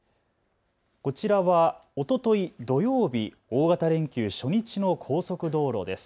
こちらはおととい土曜日、大型連休初日の高速道路です。